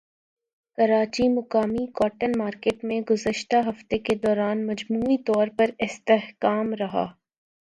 کراچیمقامی cotton market میں گزشتہ ہفتے کے دوران مجموعی طور پر استحکام رہا